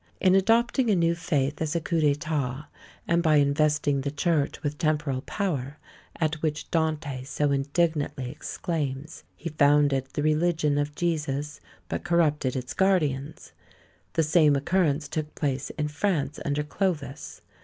In adopting a new faith as a coup d'état, and by investing the church with temporal power, at which Dante so indignantly exclaims, he founded the religion of Jesus, but corrupted its guardians. The same occurrence took place in France under Clovis.